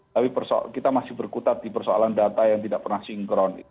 tapi kita masih berkutat di persoalan data yang tidak pernah sinkron